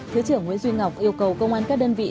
thứ trưởng nguyễn duy ngọc yêu cầu công an các đơn vị